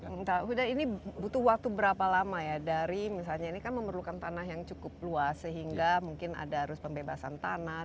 entah udah ini butuh waktu berapa lama ya dari misalnya ini kan memerlukan tanah yang cukup luas sehingga mungkin ada arus pembebasan tanah dan lain lain ya